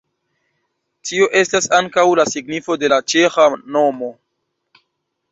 Tio estas ankaŭ la signifo de la ĉeĥa nomo.